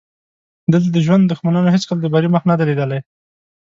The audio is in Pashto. دلته د ژوند دښمنانو هېڅکله د بري مخ نه دی لیدلی.